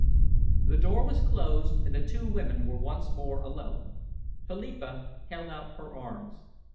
The door was closed, and the two women were once more alone. Philippa held out her arms.